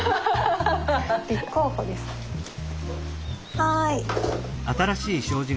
はい。